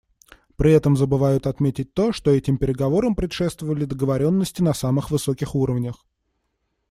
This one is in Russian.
При этом забывают отметить то, что этим переговорам предшествовали договоренности на самых высоких уровнях.